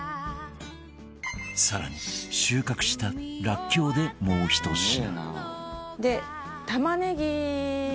更に収穫したらっきょうでもう１品